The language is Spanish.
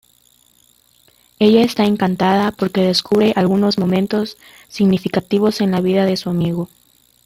Ella está encantada porque descubre algunos momentos significativos en la vida de su amigo.